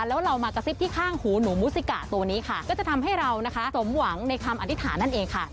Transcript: แล้วเรามากระซิบที่ข้างหูหนูมุสิกะตัวนี้ค่ะก็จะทำให้เรานะคะสมหวังในคำอธิษฐานนั่นเองค่ะ